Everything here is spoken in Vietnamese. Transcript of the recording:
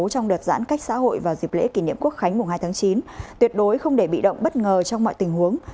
trong đợt giãn cách xã hội vào dịp lễ kỷ niệm quốc khánh mùng hai tháng chín tuyệt đối không để bị động bất ngờ trong mọi tình huống